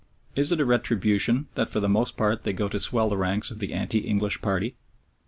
Is it a retribution that for the most part they go to swell the ranks of the anti English party?